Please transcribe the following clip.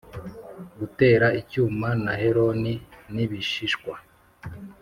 gutera icyuma, na heron, n'ibishishwa